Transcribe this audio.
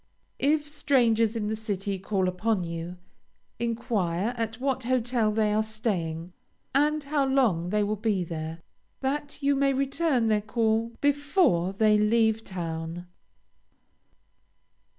If strangers in the city call upon you, enquire at what hotel they are staying, and how long they will be there, that you may return their call before they leave town.